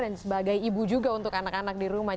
dan sebagai ibu juga untuk anak anak di rumah